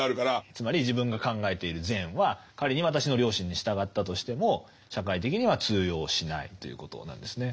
つまり自分が考えている善は仮に私の良心に従ったとしても社会的には通用しないということなんですね。